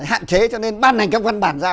hạn chế cho nên ban hành các văn bản ra